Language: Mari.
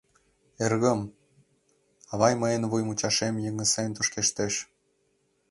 Эргым... — авам мыйын вуй мучаштем йыҥысен тошкештеш.